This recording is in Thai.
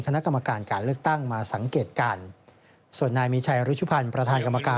คณะกรรมการการเลือกตั้งมาสังเกตการณ์ส่วนนายมีชัยรุชุพันธ์ประธานกรรมการ